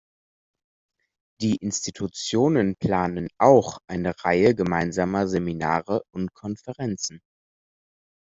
Die Institutionen planen auch eine Reihe gemeinsamer Seminare und Konferenzen.